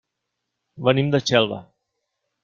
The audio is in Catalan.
Venim de Xelva.